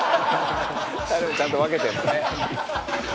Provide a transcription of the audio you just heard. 「タレもちゃんと分けてるのね」